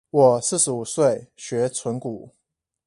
我四十五歲學存股